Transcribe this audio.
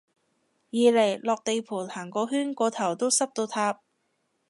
二嚟落地盤行個圈個頭都濕到塌